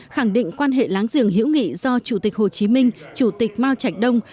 khẳng định quan hệ láng giường hiểu nghị do chủ tịch hồ chí minh chủ tịch mao trạch đông